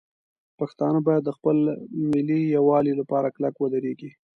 پښتانه باید د خپل ملي یووالي لپاره کلک ودرېږي.